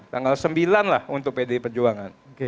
delapan tanggal sembilan lah untuk pd perjuangan